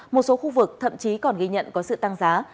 một số khu vực thậm chí còn ghi nhận có sự tăng giá